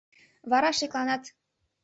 Вара шекланат.